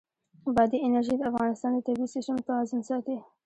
بادي انرژي د افغانستان د طبعي سیسټم توازن ساتي.